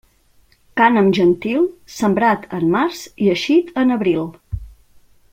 Cànem gentil, sembrat en març i eixit en abril.